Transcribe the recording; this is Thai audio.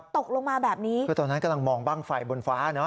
ตกลงมาแบบนี้คือตอนนั้นกำลังมองบ้างไฟบนฟ้าเนอ